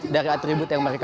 dari atribut yang mereka